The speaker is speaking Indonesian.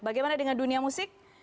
bagaimana dengan dunia musik